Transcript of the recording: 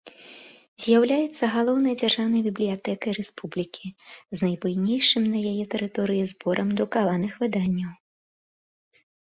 З'яўляецца галоўнай дзяржаўнай бібліятэкай рэспублікі, з найбуйнейшым на яе тэрыторыі зборам друкаваных выданняў.